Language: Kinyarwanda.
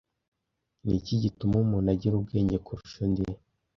Niki gituma umuntu agira ubwenge kurusha undi?